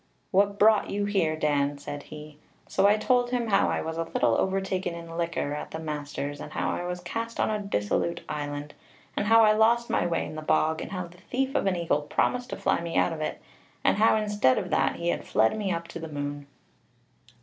'What brought you here, Dan?' said he. So I told him how I was a little overtaken in liquor at the master's, and how I was cast on a dissolute island, and how I lost my way in the bog, and how the thief of an eagle promised to fly me out of it, and how, instead of that, he had fled me up to the moon.